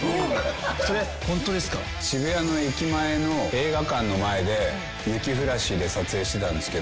渋谷の駅前の映画館の前で雪降らしで撮影してたんすけど。